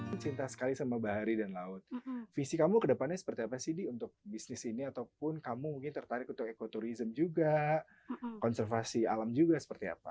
saya cinta sekali sama bahari dan laut visi kamu kedepannya seperti apa sih di untuk bisnis ini ataupun kamu mungkin tertarik untuk ekoturism juga konservasi alam juga seperti apa